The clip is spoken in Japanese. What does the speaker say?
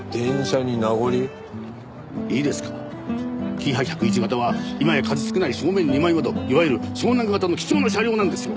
キハ１０１形は今や数少ない正面２枚窓いわゆる湘南形の貴重な車両なんですよ。